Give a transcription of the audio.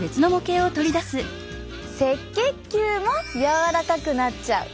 赤血球も柔らかくなっちゃう。